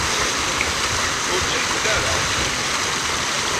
Ur tt-iḥemmel ara?